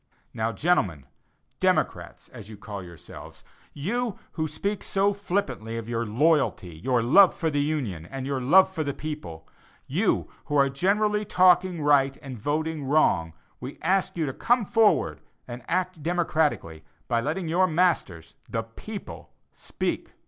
Now, gentlemen, "democrats" as you call yourselves, you who speak so flippantly of your "loyalty," your "love for the Union" and your "love for the people;" you who are generally talking right and voting wrong, we ask you to come forward and act "democratically," by letting your masters, the people, speak.